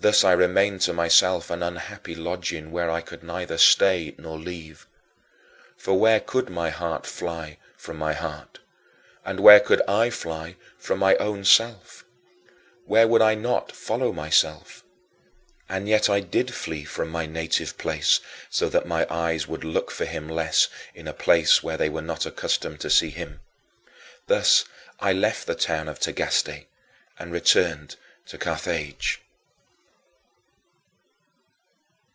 Thus I remained to myself an unhappy lodging where I could neither stay nor leave. For where could my heart fly from my heart? Where could I fly from my own self? Where would I not follow myself? And yet I did flee from my native place so that my eyes would look for him less in a place where they were not accustomed to see him. Thus I left the town of Tagaste and returned to Carthage.